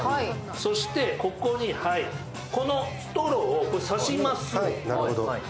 そして、ここにストローを差します